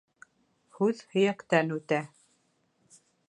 Һүҙ һөйәктән үтә.